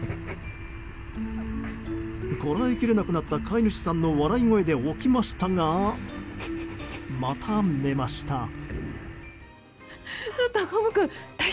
こらえきれなくなった飼い主さんの笑い声で起きましたが、また寝ました。